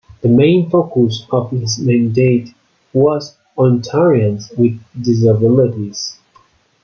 The main focus of his mandate was Ontarians with disabilities.